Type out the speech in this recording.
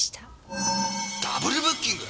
ダブルブッキング！？